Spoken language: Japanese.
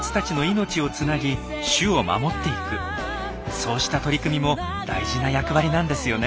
そうした取り組みも大事な役割なんですよね。